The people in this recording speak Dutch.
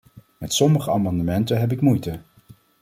Met sommige amendementen heb ik moeite.